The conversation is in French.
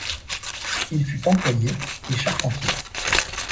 Il fut employé et charpentier.